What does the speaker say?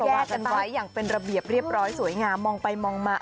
กันไว้อย่างเป็นระเบียบเรียบร้อยสวยงามมองไปมองมา